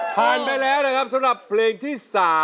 ผ่านไปแล้วนะครับสำหรับเพลงที่๓